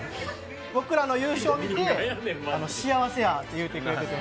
僕らの優勝を見て「幸せや」と言うてくれてて。